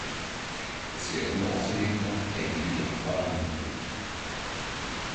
Es werden außerdem noch einige Dörfer angebunden.